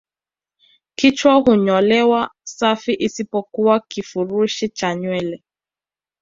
Kichwa hunyolewa safi isipokuwa kifurushi cha nywele